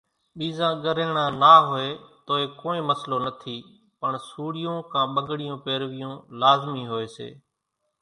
ٻيزان ڳريڻان نا هوئيَ توئيَ ڪونئين مسلو نٿِي پڻ سوڙِيون ڪان ٻنڳڙِيون پيروِيون لازمِي هوئيَ سي۔